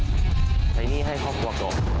ใช้หนี้ให้ครอบครัวก่อน